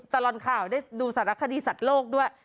ตลอดข่าวได้ดูสารคดีสัตว์โลกด้วย